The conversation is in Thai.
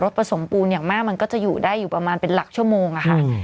ผสมปูนอย่างมากมันก็จะอยู่ได้อยู่ประมาณเป็นหลักชั่วโมงอะค่ะ